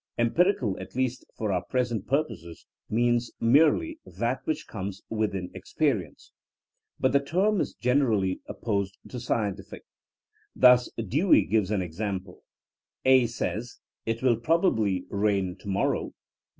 Empirical, at least for our present purposes, means merely that which comes within experience. But the term is generally opposed to scientific. Thus Dewey gives an example: A says, *It will probably rain to morrow.